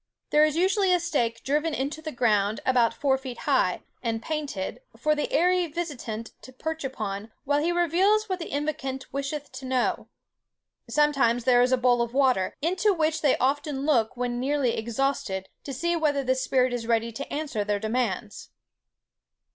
There is usually a stake driven into the ground about four feet high, and painted, for the airy visitant to perch upon while he reveals what the invocant wisheth to know. Sometimes there is a bowl of water, into which they often look when nearly exhausted, to see whether the spirit is ready to answer their demands."